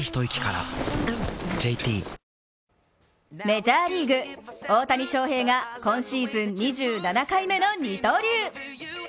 メジャーリーグ、大谷翔平が今シーズン２７回目の二刀流。